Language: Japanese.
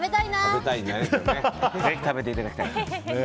ぜひ食べていただきたい。